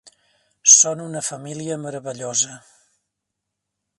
Són una família meravellosa.